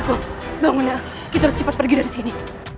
tukang bangun ya kita harus cepat pergi dari sini